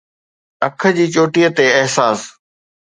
اک جي چوٽي تي احساس